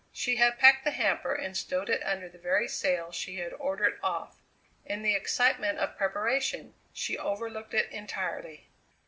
She had packed the hamper and stowed it under the very sail she had ordered off. In the excitement of preparation she overlooked it entirely.